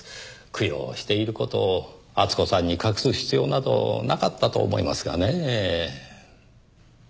供養している事を厚子さんに隠す必要などなかったと思いますがねぇ。